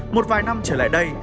một vài năm trở lại đây